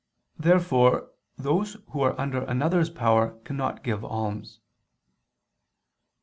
Therefore those who are under another's power cannot give alms.